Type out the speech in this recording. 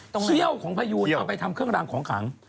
เสี้ยวของพยูนเอาไปทำเครื่องรางของขัง